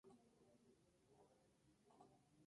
El mismo día, Nakanishi abrió una cuenta oficial de Twitter.